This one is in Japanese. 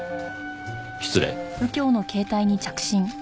失礼。